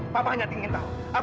papa hanya ingin tahu